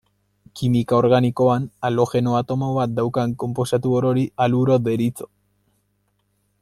Kimika organikoan, halogeno-atomo bat daukan konposatu orori haluro deritzo.